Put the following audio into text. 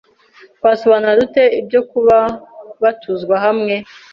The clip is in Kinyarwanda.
twasobanura dute ibyo kuba batuzwa hamwe